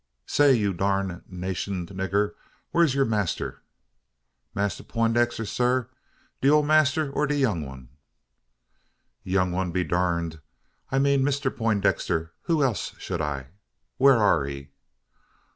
"Say, ye durnationed nigger! whar's yur master?" "Mass Poindex'er, sar? De ole massr, or de young 'un?" "Young 'un be durned! I mean Mister Peintdexter. Who else shed I? Whar air he?"